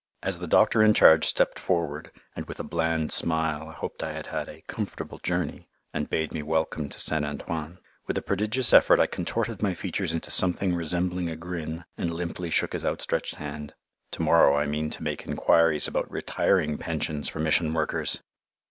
As the doctor in charge stepped forward and with a bland smile hoped I had had a "comfortable journey," and bade me welcome to St. Antoine, with a prodigious effort I contorted my features into something resembling a grin, and limply shook his outstretched hand. To morrow I mean to make enquiries about retiring pensions for Mission workers!